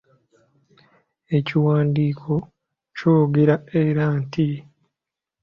Ekiwandiiko kyongera era nti: